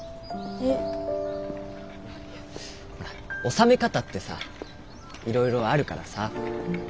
収め方ってさいろいろあるからさ。